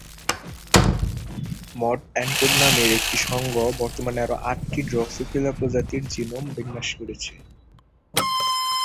Mod-encode নামের একটি সংঘ বর্তমানে আরো আটটি "ড্রসোফিলা" প্রজাতির জিনোম বিন্যাস করছে।